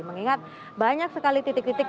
mengingat banyak sekali titik titik